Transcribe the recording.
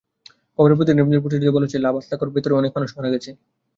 খবরে প্রতিবেদন প্রচারিত হচ্ছে, লা বাতাক্লঁর ভেতরে অনেক মানুষ মারা গেছে।